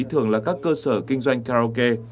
thường là các cơ sở kinh doanh karaoke